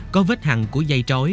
có vết hằng của dây trói